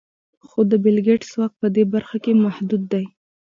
خو د بېل ګېټس واک په دې برخه کې محدود دی.